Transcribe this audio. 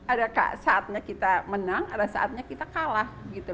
ada saatnya kita menang ada saatnya kita kalah